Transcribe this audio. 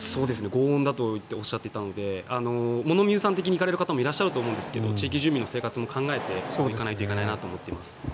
ごう音だとおっしゃっていたので物見遊山的に見に行かれる方もいると思うんですが地域住民の方の生活も考えていかないといけないなと思います。